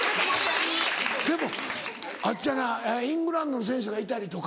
・でもあっちはなイングランドの選手がいたりとか。